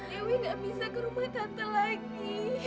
dewi gak bisa ke rumah tata lagi